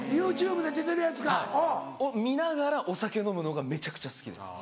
ＹｏｕＴｕｂｅで出てるやつかおう。を見ながらお酒飲むのがめちゃくちゃ好きです。